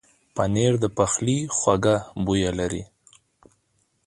پنېر د پخلي خوږه بویه لري.